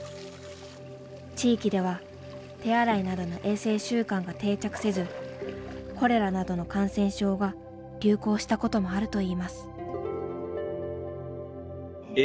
地域では手洗いなどの衛生習慣が定着せずコレラなどの感染症が流行したこともあるといいます。